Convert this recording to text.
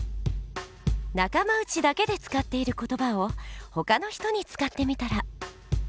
仲間内だけで使っている言葉を他の人に使ってみたら。